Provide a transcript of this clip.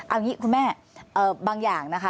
อันนี้คุณแม่บางอย่างนะคะ